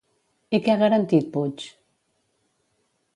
I què ha garantit Puig?